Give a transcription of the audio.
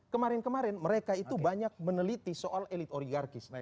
kemarin kemarin mereka itu banyak meneliti soal elit oligarkis